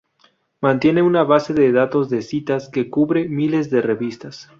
Mantiene una base de datos de citas que cubre miles de revistas.